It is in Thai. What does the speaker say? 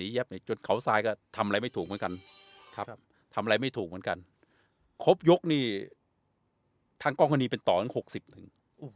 ครับทำอะไรไม่ถูกเหมือนกันครบยกนี่ทางก้องคณีเป็นต่อกันหกสิบหนึ่ง